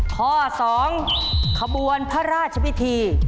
ข้อ๒ขบวนพระราชพิธี